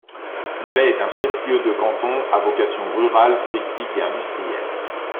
Nolay est un chef-lieu de canton, à vocations rurale, touristique et industrielle.